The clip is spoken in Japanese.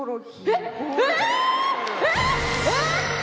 えっ！